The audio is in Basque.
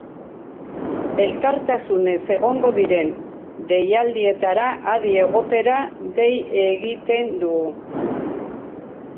Elkartasunez, egongo diren deialdietara adi egotera dei egiten dugu.